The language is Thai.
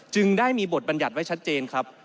จึงได้มีบทบรรยัติไว้ชัดเจนครับ